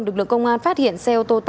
lực lượng công an phát hiện xe ô tô